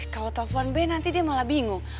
kalau telepon b nanti dia malah bingung